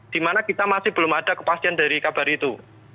dimana kita masih belum ada kepastian dari kabar itu